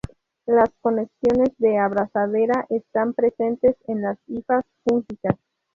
Las conexiones de abrazadera están presentes en las hifas fúngicas.